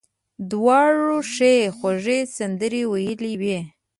دواړو ښې خوږې سندرې ویلې وې.